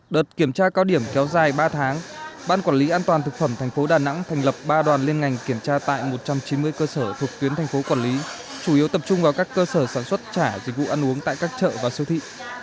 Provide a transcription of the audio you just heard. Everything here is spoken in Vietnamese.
đợt kiểm tra cao điểm kéo dài ba tháng ban quản lý an toàn thực phẩm thành phố đà nẵng thành lập ba đoàn liên ngành kiểm tra tại một trăm chín mươi cơ sở thuộc tuyến thành phố quản lý chủ yếu tập trung vào các cơ sở sản xuất trả dịch vụ ăn uống tại các chợ và siêu thị